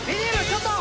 ちょっと！